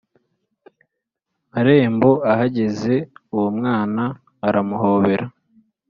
marembo Ahageze uwo mwana aramuhobera